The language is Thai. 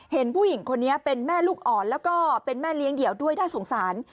เห็นผู้หญิงคนนี้เป็นแม่ลูกอ่อนแล้วก็เป็นแม่เลี้ยงเดี่ยวด้วยน่าสงสาร